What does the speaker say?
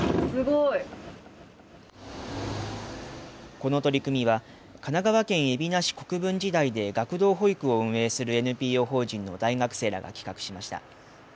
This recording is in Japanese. この取り組みは神奈川県海老名市国分寺台で学童保育を運営するＮＰＯ法人の大学生らが企画しました。